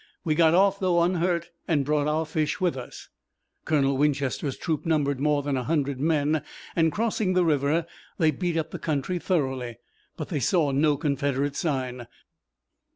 We got off, though, unhurt, and brought our fish with us." Colonel Winchester's troop numbered more than a hundred men, and crossing the river they beat up the country thoroughly, but they saw no Confederate sign.